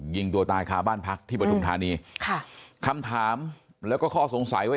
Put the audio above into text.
ยิงตัวตายคาบ้านพักที่ปฐุมธานีค่ะคำถามแล้วก็ข้อสงสัยว่า